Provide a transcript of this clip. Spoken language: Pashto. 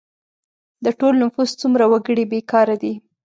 د ټول نفوس څومره وګړي بې کاره دي؟